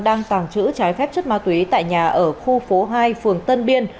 đang tàng trữ trái phép chất ma túy tại nhà ở khu phố hai phường tân biên